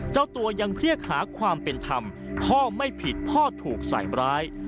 เจ้าตัวยังเรียกหาความเป็นธรรมพ่อไม่ผิดพ่อถูกใส่ร้าย